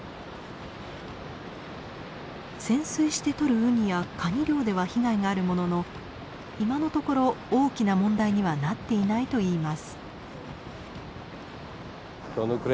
潜水してとるウニやカニ漁では被害があるものの今のところ大きな問題にはなっていないといいます。